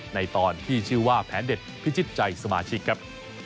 ในตอนที่ชื่อว่าแผนเด็ดพิจิตใจสมาชิกครับ